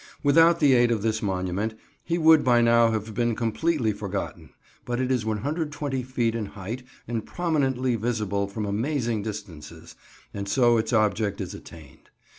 Without the aid of this monument he would by now have been completely forgotten; but it is 120 feet in height and prominently visible from amazing distances, and so its object is attained.